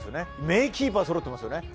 名キーパーそろっていますよね。